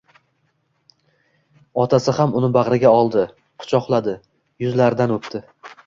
Otasi ham uni bag'riga oldi, kuchoqladi, yuzlaridan o'pdi.